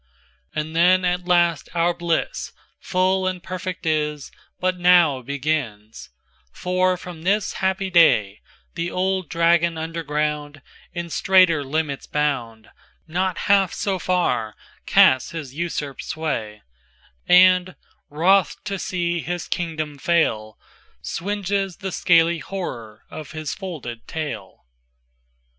XVIIIAnd then at last our blissFull and perfect is, But now begins; for from this happy dayThe Old Dragon under ground, In straiter limits bound, Not half so far casts his usurpèd sway, And, wroth to see his Kingdom fail, Swindges the scaly horror of his folded tail.